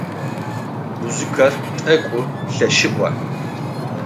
Музыкэр тӏэкӏу лъэшыӏо.